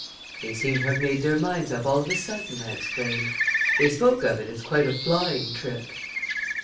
"They seem to have made their minds up all of a sudden," I explained. "They spoke of it as quite a flying trip."